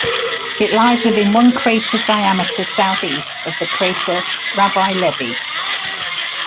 It lies within one crater diameter southeast of the crater Rabbi Levi.